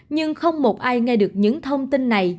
nhưng không một ai nghe được những thông tin này